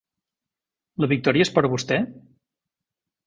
La victòria és per a vostè?